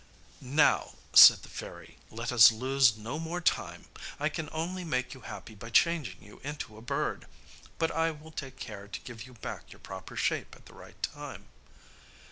'Now,' said the fairy, 'let us lose no more time. I can only make you happy by changing you into a bird, but I will take care to give you back your proper shape at the right time.